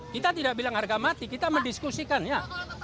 kita tidak bilang harga mati kita mendiskusikannya